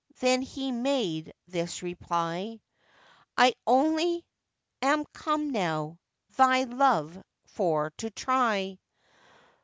Then he made this reply: 'I only am come now thy love for to try.